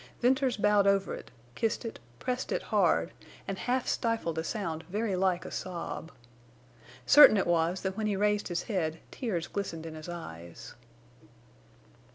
Venters bowed over it kissed it, pressed it hard, and half stifled a sound very like a sob. Certain it was that when he raised his head tears glistened in his eyes.